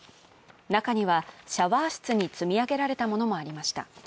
中にはシャワー室に積み上げられたものもありました。